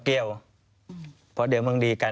ควิทยาลัยเชียร์สวัสดีครับ